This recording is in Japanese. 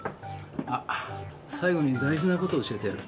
あっ最後に大事な事教えてやる。